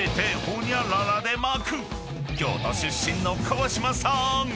［京都出身の川島さーん